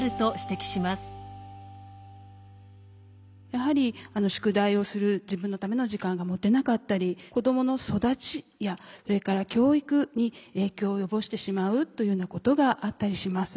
やはり宿題をする自分のための時間が持てなかったり子どもの育ちやそれから教育に影響を及ぼしてしまうというようなことがあったりします。